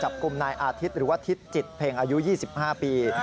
จับกลุ่มนายอาทิตย์หรือว่าทิศจิตเพ็งอายุ๒๕ปี